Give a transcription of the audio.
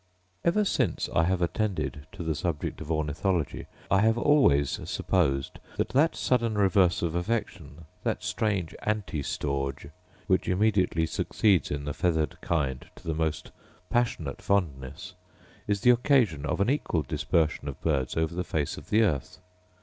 Ever since I have attended to the subject of ornithology, I have always supposed that that sudden reverse of affection, that strange ἀντιστοργὴ, which immediately succeeds in the feathered kind to the most passionate fondness, is the occasion of an equal dispersion of birds over the face of the earth.